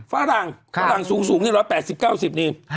ฝรั่งสูง๑๘๐๑๙๐นี่